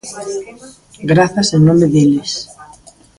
Grazas en nome deles.